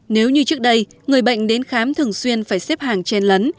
nếu như trước đây người bệnh đến khám thường xuyên phải xếp hàng chen lấn